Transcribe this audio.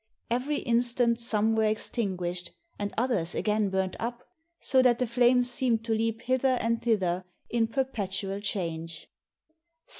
Every instant some were extinguished, and others again burnt up, so that the flames seemed to leap hither and thither in perpetual change.